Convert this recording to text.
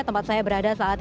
tempat saya berada